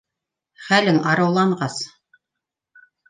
Хәлең арыуланғас...